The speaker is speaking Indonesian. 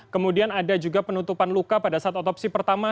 kemudian ada juga penutupan luka pada saat otopsi pertama